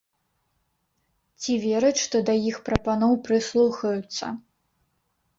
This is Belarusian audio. Ці вераць, што да іх прапаноў прыслухаюцца?